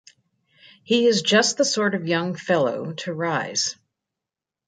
He is just the sort of young fellow to rise.